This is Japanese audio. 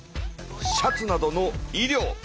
シャツなどの衣料。